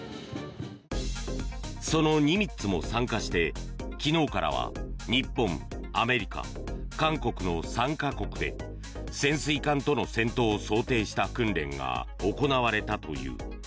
その「ニミッツ」も参加して昨日からは日本、アメリカ、韓国の３か国で潜水艦との戦闘を想定した訓練が行われたという。